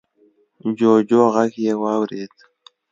جوجو غږ يې واورېد.